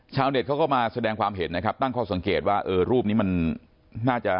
เน็ตเขาก็มาแสดงความเห็นนะครับตั้งข้อสังเกตว่าเออรูปนี้มันน่าจะ